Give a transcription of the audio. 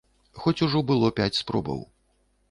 Хоць ужо было пяць спробаў.